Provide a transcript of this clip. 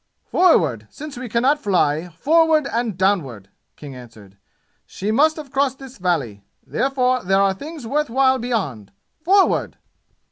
"Forward, since we can not fly forward and downward!" King answered. "She must have crossed this valley. Therefore there are things worth while beyond! Forward!"